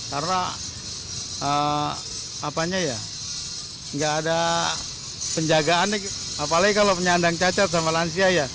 karena tidak ada penjagaan apalagi kalau penyandang cacat sama lansia ya